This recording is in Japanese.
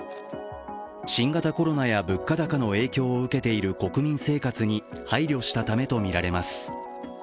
新型コロナや物価高の影響を受けている国民生活に配慮したためとみられます。